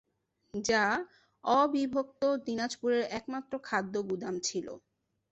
যা অবিভক্ত দিনাজপুরের একমাত্র খাদ্য গুদাম ছিল।